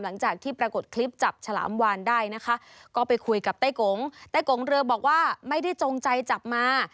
หลังจากที่ปรากฏคลิปจับฉลามวานได้นะคะก็ไปคุยกับไต้กงไต้กงเรือบอกว่าไม่ได้จงใจจับมา